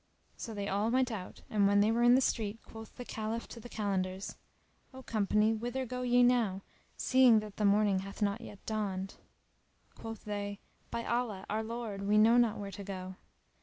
So they all went out and when they were in the street, quoth the Caliph to the Kalandars, "O company, whither go ye now, seeing that the morning hath not yet dawned?" Quoth they, "By Allah, O our lord, we know not where to go."